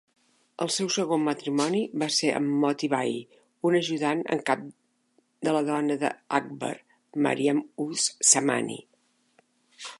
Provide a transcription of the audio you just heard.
El seu segon matrimoni va ser amb Moti Bai, una ajudant en cap de la dona d'Akbar, Mariam-uz-Zamani.